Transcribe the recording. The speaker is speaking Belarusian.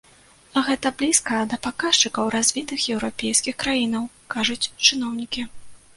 Гэта блізка да паказчыкаў развітых еўрапейскіх краінаў, кажуць чыноўнікі.